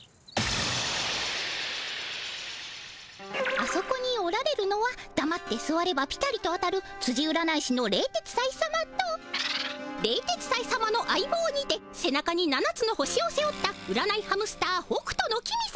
あそこにおられるのはだまってすわればピタリと当たるつじ占い師の冷徹斎さまと冷徹斎さまの相棒にて背中に７つの星を背負った占いハムスター北斗の公さま。